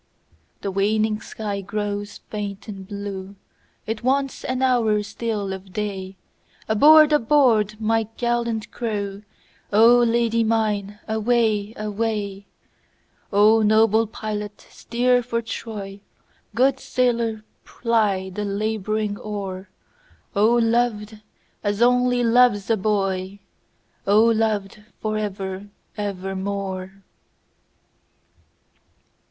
The waning sky grows faint and blue, It wants an hour still of day, Aboard! aboard! my gallant crew,O Lady mine away! away!O noble pilot steer for Troy, Good sailor ply the labouring oar,O loved as only loves a boy!O loved for ever evermore!